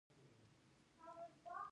دا کاغذونه د هغې له زنګنو تر غوږونو پورې وو